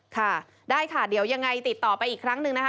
ค่ะได้ค่ะเดี๋ยวยังไงติดต่อไปอีกครั้งหนึ่งนะคะ